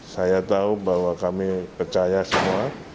saya tahu bahwa kami percaya semua